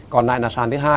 còn lại là sàn thứ hai